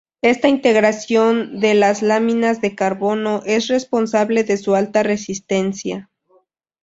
Esta integración de las láminas de carbono es responsable de su alta resistencia.